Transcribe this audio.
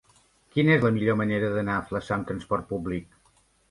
Quina és la millor manera d'anar a Flaçà amb trasport públic?